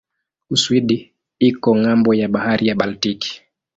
Uswidi iko ng'ambo ya bahari ya Baltiki.